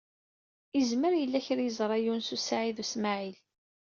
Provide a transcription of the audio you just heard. Izmer yella kra i yeẓṛa Yunes u Saɛid u Smaɛil.